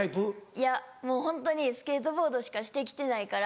いやもうホントにスケートボードしかして来てないから。